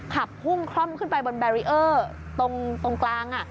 ขับพุ่งคล่อมขึ้นไปบนแบรีเออร์ตรงกลาง